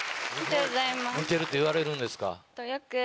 似てるって言われるんですか？